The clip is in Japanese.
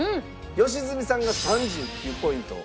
良純さんが３９ポイント。